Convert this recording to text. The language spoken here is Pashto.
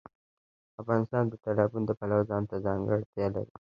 افغانستان د تالابونه د پلوه ځانته ځانګړتیا لري.